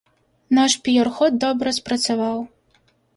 Наш піяр-ход добра спрацаваў.